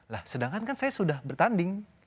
lah sedangkan kan saya sudah bertanding